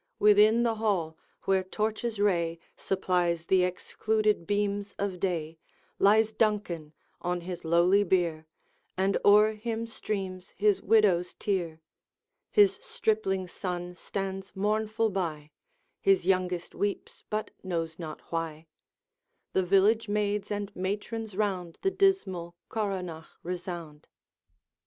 Within the hall, where torch's ray Supplies the excluded beams of day, Lies Duncan on his lowly bier, And o'er him streams his widow's tear. His stripling son stands mournful by, His youngest weeps, but knows not why; The village maids and matrons round The dismal coronach resound.